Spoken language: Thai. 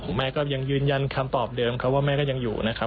แม่ก็ยังยืนยันคำตอบเดิมครับว่าแม่ก็ยังอยู่นะครับ